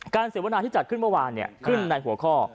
เสวนาที่จัดขึ้นเมื่อวานขึ้นในหัวข้อ